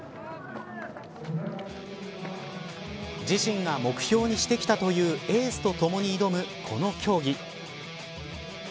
自身が目標にしてきたというエースとともに挑むこの競技。